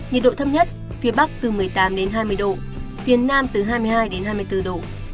nhiệt độ thấp nhất phía bắc từ một mươi tám đến hai mươi độ phía nam từ hai mươi hai đến hai mươi bốn độ